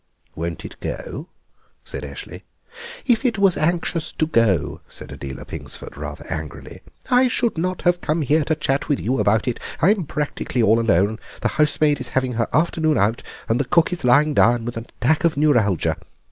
"Won't it go?" said Eshley. "If it was anxious to go," said Adela Pingsford rather angrily, "I should not have come here to chat with you about it. I'm practically all alone; the housemaid is having her afternoon out and the cook is lying down with an attack of neuralgia.